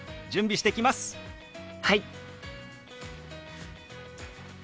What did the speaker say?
はい。